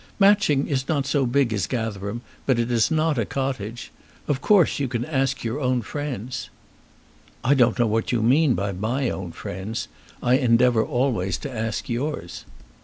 Matching is not so big as Gatherum, but it is not a cottage. Of course you can ask your own friends." "I don't know what you mean by my own friends. I endeavour always to ask yours."